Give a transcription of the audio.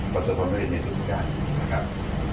ประสบความผลิตในทุกประการนะครับ